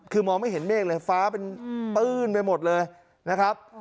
คือมองไม่เห็นเมฆเลยฟ้าเป็นปื้นไปหมดเลยนะครับ